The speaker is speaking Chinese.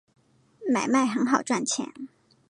买卖很好赚钱